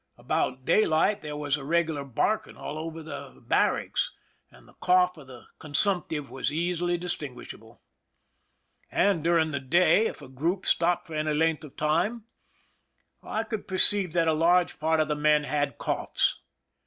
About daylight there was a regular barking all over the barracks, and the cough of the consumptive was easily distinguish able. And during the day, if a group stopped for any length of time, I could perceive that a large 246 PRISON LIFE THE SIEGE part of the men had coughs.